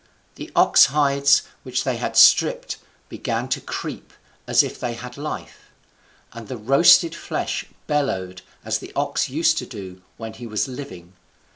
the ox hides which they had stripped began to creep as if they had life; and the roasted flesh bellowed as the ox used to do when he was living.